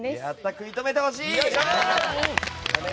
食い止めてほしい！